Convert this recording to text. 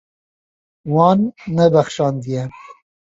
Wan nebexşandiye.